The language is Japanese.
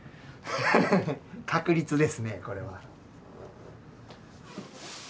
確率ですねこれは。